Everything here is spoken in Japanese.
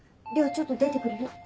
涼ちょっと出てくれる？